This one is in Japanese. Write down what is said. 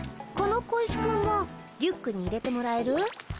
この小石くんもリュックに入れてもらえる？